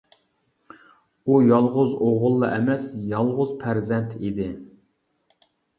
ئۇ يالغۇز ئوغۇللا ئەمەس، يالغۇز پەرزەنت ئىدى.